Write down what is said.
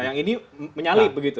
yang ini menyalip begitu